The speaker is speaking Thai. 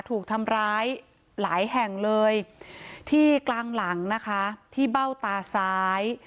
ถูกทำร้ายหลายแห่งเลยที่กลางหลังนะคะที่เบ้าตาซ้าย